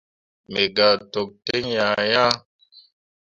Megah tokki ten ah ya.